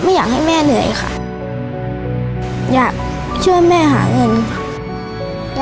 อยากให้แม่เหนื่อยค่ะอยากช่วยแม่หาเงินค่ะ